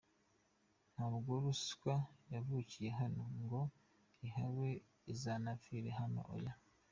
Ntabwo ruswa yavukiye hano, ngo ihabe, izanapfire hano, oya.